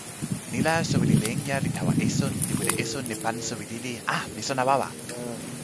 ni la, soweli Lenja li tawa esun, li wile esun e pan suwi lili. ... a, mi sona wawa!